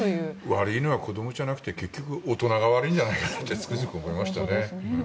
悪いのは子どもじゃなくて結局大人が悪いんじゃないかってつくづく思いましたね。